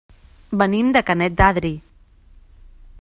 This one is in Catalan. Venim de Canet d'Adri.